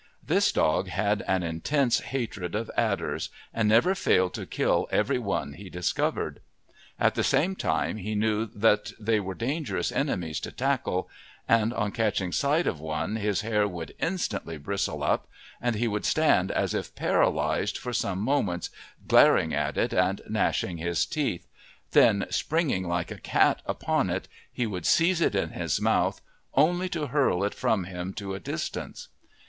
This dog had an intense hatred of adders and never failed to kill every one he discovered. At the same time he knew that they were dangerous enemies to tackle, and on catching sight of one his hair would instantly bristle up, and he would stand as if paralysed for some moments, glaring at it and gnashing his teeth, then springing like a cat upon it he would seize it in his mouth, only to hurl it from him to a distance.